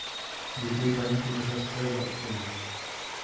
Děkuji paní komisařce za odpověď.